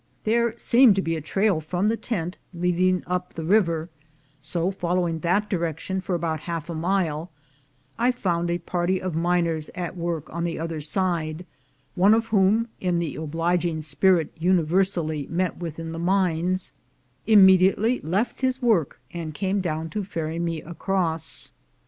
There seemed to be a trail from the tent leading up the river ; so, following that direction for about half a mile, I found a party of miners at work on the other side — one of whom, in the obliging spirit universally met with in the mines, immediately left his work and came down to ferry me across.